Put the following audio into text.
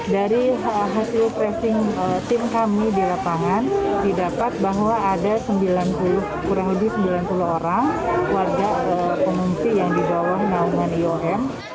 dari hasil tracing tim kami di lapangan didapat bahwa ada kurang lebih sembilan puluh orang warga pengungsi yang di bawah naungan iom